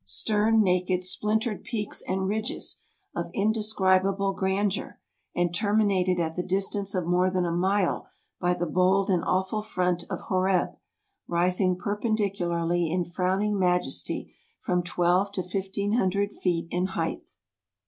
stern, naked, splintered peaks and ridges, of inde¬ scribable grandeur, and terminated at the distance of more than a mile by the bold and awful front of Horeb, rising perpendicularly in frowning majesty from twelve to fifteen hundred feet in height.